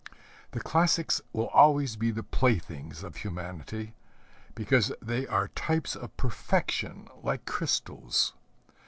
The classics will always be the playthings of humanity, because they are types of perfection, like crystals.